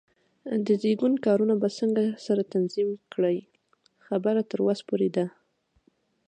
د زېږون کارونه به څنګه سره تنظیم کړې؟ خبره تر وسه پورې ده.